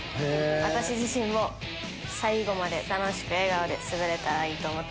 私自身も最後まで楽しく笑顔で滑れたらいいと思ってます。